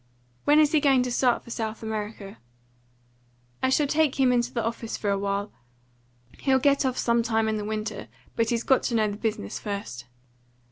"When is he going to start for South America?" "I shall take him into the office a while. He'll get off some time in the winter. But he's got to know the business first."